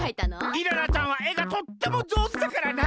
イララちゃんは絵がとってもじょうずだからな。